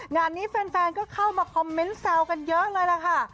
งานนี้แฟนก็เข้ามาคอมเมนต์แซวกันเยอะเลยล่ะค่ะ